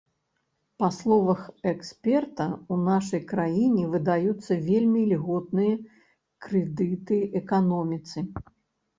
Па словах эксперта, у нашай краіне выдаюцца вельмі ільготныя крэдыты эканоміцы.